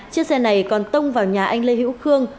chiếc xe này còn tông vào nhà anh lê hữu khương